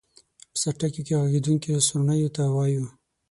په سرټکیو کې غږېدونکیو سورڼیو ته وایو.